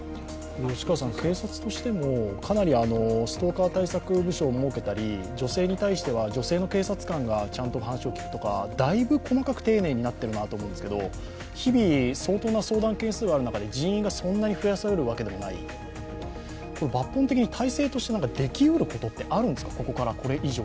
警察としても、かなりストーカー対策部署を設けたり女性に対しては女性の警察官がちゃんと話を聞くとかだいぶ細かく丁寧になっているなと思うんですけど、日々相当な相談件数がある中で、人員がそんなに増やされるわけでもない抜本的に体制としてできうることってあるんですか、ここからこれ以上。